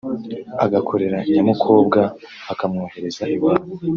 agakorera nyamukobwa akamwohereza iwabo